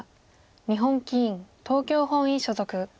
日本棋院東京本院所属。